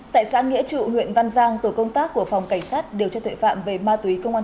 tại xã nghĩa trụ huyện văn giang tổ công tác của phòng cảnh sát điều tra tuệ phạm về ma túy công an